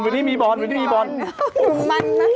หนุ่มมันนะ